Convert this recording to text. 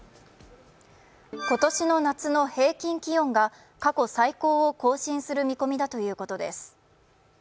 今年の夏の平均気温が過去最高を更新する見込みだということです。